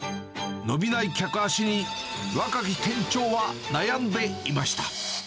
伸びない客足に、若き店長は悩んでいました。